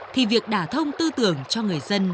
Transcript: thì việc đả thông tư tưởng cho người dân